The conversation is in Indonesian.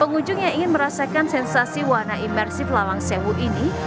pengunjung yang ingin merasakan sensasi warna imersif lawang sewu ini